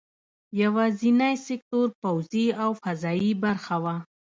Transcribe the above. یوازینی سکتور پوځي او فضايي برخه وه.